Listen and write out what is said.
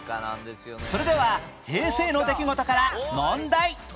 それでは平成の出来事から問題